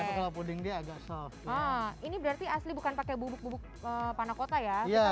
kalau puding dia agak soft ini berarti asli bukan pakai bubuk bubuk panakota ya